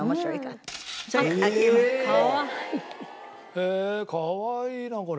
へえかわいいなこれ。